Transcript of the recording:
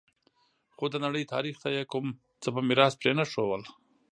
خو د نړۍ تاریخ ته یې کوم څه په میراث پرې نه ښودل